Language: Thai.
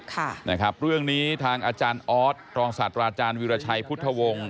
ค่ะนะครับเรื่องนี้ทางอาจารย์ออสรองศาสตราอาจารย์วิราชัยพุทธวงศ์